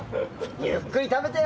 ゆっくり食べてよ。